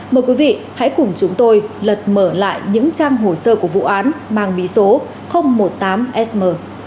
mời quý vị hãy cùng chúng tôi lật mở lại những trang hồ sơ của vụ án mang bí số một mươi tám sm